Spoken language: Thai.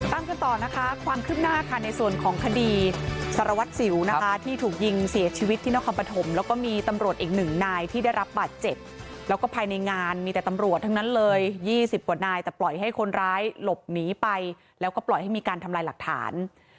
ตามกันต่อนะคะความคืบหน้าค่ะในส่วนของคดีสารวัตรสิวนะคะที่ถูกยิงเสียชีวิตที่นครปฐมแล้วก็มีตำรวจอีกหนึ่งนายที่ได้รับบาดเจ็บแล้วก็ภายในงานมีแต่ตำรวจทั้งนั้นเลย๒๐กว่านายแต่ปล่อยให้คนร้ายหลบหนีไปแล้วก็ปล่อยให้มีการทำลายหลักฐาน